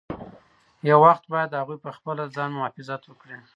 یو وخت باید هغوی پخپله د ځان مخافظت وکړي.